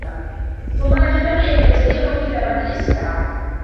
ثُمَّ لَا يَنْبَغِي أَنْ يَبْتَدِئَهُ إلَّا بَعْدَ الِاسْتِدْعَاءِ